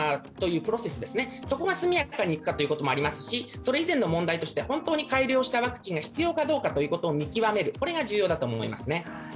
プロセスが速やかにいくかということもありますしそれ以前の問題として本当に改良したワクチンが必要かどうかを見極めるこれが必要だと思いますね。